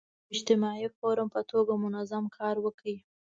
د یو اجتماعي فورم په توګه منظم کار وکړي.